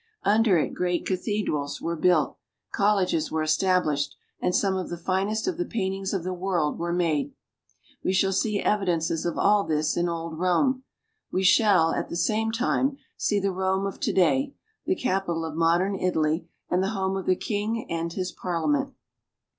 Under it great cathe drals were built, colleges were established, and some of the finest of the paintings of the world were made. We shall see evidences of all this in old Rome. We shall, at the same time, see the Rome of to day, the capital of modern Italy, and the home of the King and his Parliament.